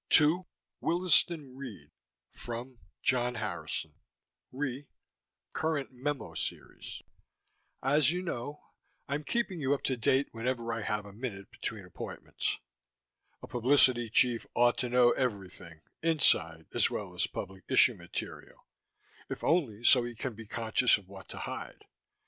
TO: Williston Reed FROM: John Harrison RE: Current memo series As you know, I'm keeping you up to date whenever I have a minute between appointments: a publicity chief ought to know everything, inside as well as public issue material, if only so he can be conscious of what to hide.